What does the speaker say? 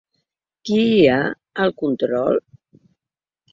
Qui hi ha al control?